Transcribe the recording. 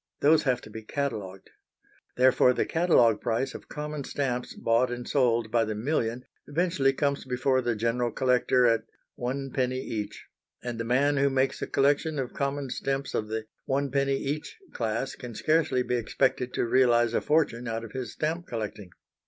Those have to be catalogued. Therefore, the catalogue price of common stamps bought and sold by the million eventually comes before the general collector at "one penny each," and the man who makes a collection of common stamps of the "one penny each" class can scarcely be expected to realise a fortune out of his stamp collecting.